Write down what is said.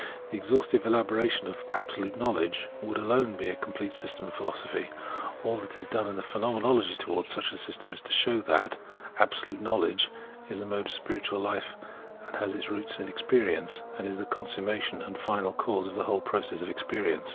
The exhaustive elaboration of " Absolute Knowledge " would alone be a complete system of philosophy. All that is done in the Phenomenology towards such a system is to show that " Absolute Know ledge " as a mode of spiritual life has its roots in ex perience, and is the consummation and final cause of the whole process of experience.